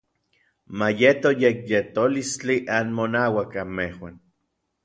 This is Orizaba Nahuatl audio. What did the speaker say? Ma yeto yekyetolistli anmonauak anmejuan.